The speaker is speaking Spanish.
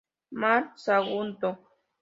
Mar Sagunto.